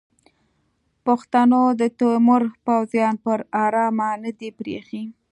پښتنو د تیمور پوځیان پر ارامه نه دي پریښي.